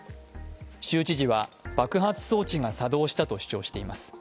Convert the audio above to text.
州知事は、爆発装置が作動したと主張しています。